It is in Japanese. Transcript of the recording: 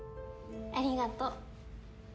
ありがとう。